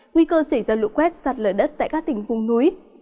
nguy cơ xảy ra lũ quét sạt lở đất tại các tỉnh vùng núi